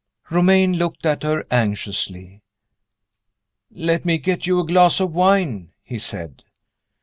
Romayne looked at her anxiously. "Let me get you a glass of wine," he said.